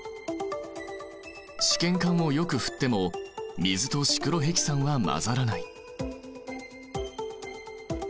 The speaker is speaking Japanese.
試験管をよく振っても水とシクロヘキサンは混ざらない。